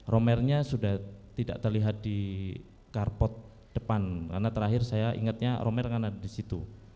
romernya sudah tidak terlihat di karpot depan karena terakhir saya ingatnya romer kan ada di situ